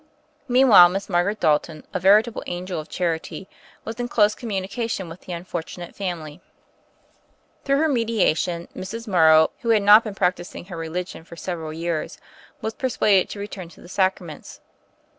Meanwhile, Miss Margaret Dalton, a verita ble angel of charity, was in close communica tion with the unfortunate family. Through her 68 THE FAIRY OF THE SNOWS mediation Mrs. Morrow, who had not been practising her religion for several years, was persuaded to return to the Sacraments.